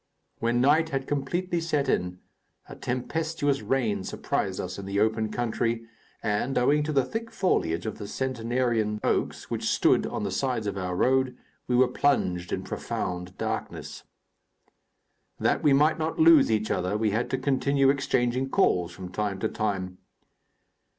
When night had completely set in, a tempestuous rain surprised us in the open country, and, owing to the thick foliage of the centenarian oaks which stood on the sides of our road, we were plunged in profound darkness. That we might not lose each other, we had to continue exchanging calls from time to time.